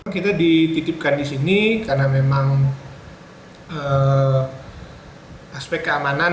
kita dititipkan di sini karena memang aspek keamanan